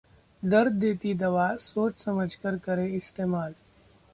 दर्द देती दवा, सोच समझकर करें इस्तेमाल